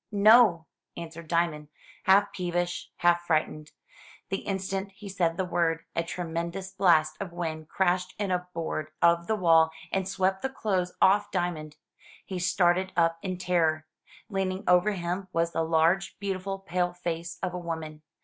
''NoT* answered Diamond, half peevish, half frightened. The instant he said the word, a tremendous blast of wind crashed in a board of the wall, and swept the clothes off Dia mond. He started up in terror. Leaning over him was the large, beautiful, pale face of a woman.